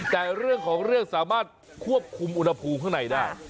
แต่เรื่องของเรื่องสามารถควบคุมอุณหภูมิข้างในได้